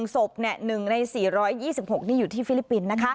๑ศพ๑ใน๔๒๖นี่อยู่ที่ฟิลิปปินส์